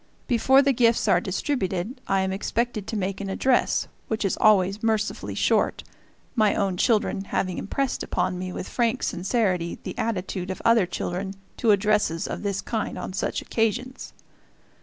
Before the gifts are distributed I am expected to make an address, which is always mercifully short, my own children having impressed upon me with frank sincerity the attitude of other children to addresses of this kind on such occasions.